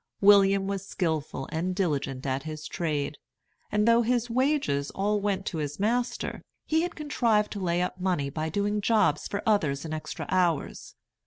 William was skilful and diligent at his trade; and though his wages all went to his master, he had contrived to lay up money by doing jobs for others in extra hours.